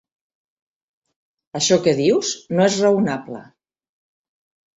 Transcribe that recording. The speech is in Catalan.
Això que dius no és raonable.